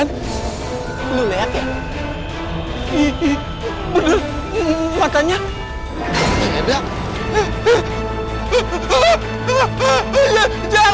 tidak ada yang bisa dihapuskan